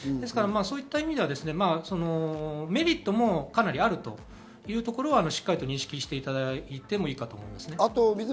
そういう意味ではメリットもかなりあるというところは、しっかりと認識していただいてもいいかと思います。